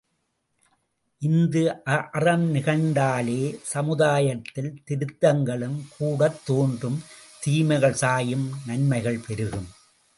இந்த அறம் நிகழ்ந்தாலே சமுதாயத்தில் திருத்தங்களும் கூடத் தோன்றும் தீமைகள் சாயும் நன்மைகள் பெருகும்.